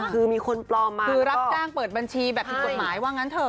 คือมีคนปลอมมาคือรับจ้างเปิดบัญชีแบบผิดกฎหมายว่างั้นเถ